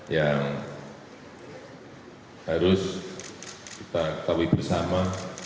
yang harus kita ketahui bersama